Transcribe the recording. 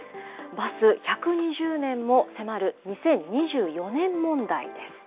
バス１２０年も、迫る２０２４年問題です。